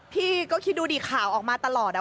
พี่ก็คิดดูดิข่าวออกมาตลอด